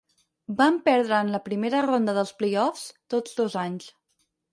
Van perdre en la primera ronda dels playoffs tots dos anys.